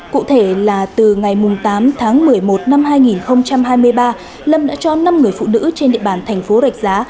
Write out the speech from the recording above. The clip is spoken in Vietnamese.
cụ thể là từ ngày tám tháng một mươi một năm hai nghìn hai mươi ba lâm đã cho năm người phụ nữ trên địa bàn thành phố rạch giá